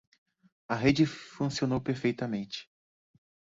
A rede funcionou perfeitamente.